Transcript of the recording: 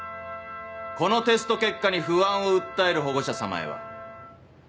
このテスト結果に不安を訴える保護者様へは。